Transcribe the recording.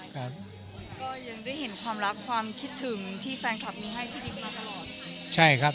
ก็ยังได้เห็นความรักความคิดถึงที่แฟนคลับมีให้ที่ดินมากตลอด